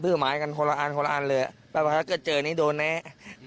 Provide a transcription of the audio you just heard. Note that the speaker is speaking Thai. คือหมายกันคนละอันคนละอันเลยแบบว่าเกิดเจอนี้โดนแนะ